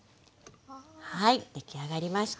はい出来上がりました。